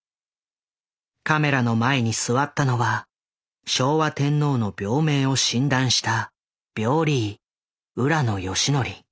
カメラの前に座ったのは昭和天皇の病名を診断した病理医浦野順文。